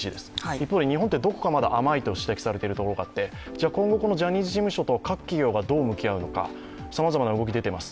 一方で日本はどこかまだ甘いと指摘されているところがあって今後ジャニーズ事務所と各企業がどう向き合うのか、さまざまな動きが出ています。